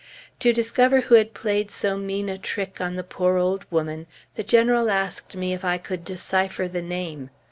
To discover who had played so mean a trick on the poor old woman, the General asked me if I could decipher the name.